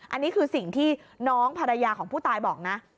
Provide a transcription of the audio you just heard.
อันนี้คือสิ่งที่น้องภรรยาของผู้ตายบอกนะ